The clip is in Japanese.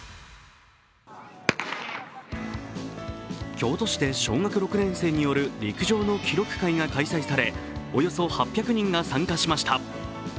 京都市で小学６年生による陸上の記録会が開催されおよそ８００人が参加しました。